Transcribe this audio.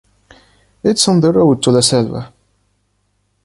It's on the road to la Selva.